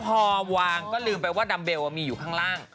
พอวางก็ลืมมีดัมเบลล่อมีอยู่ข้างล่าง